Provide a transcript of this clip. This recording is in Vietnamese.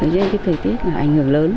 thế nên cái thời tiết là ảnh hưởng lớn